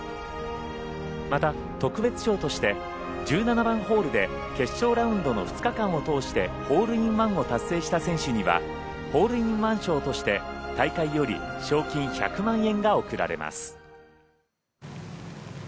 また、特別賞として１７番ホールで決勝ラウンドの２日間を通してホールインワンを達成した選手にはホールインワン賞として大会より賞金１００万円が贈られます。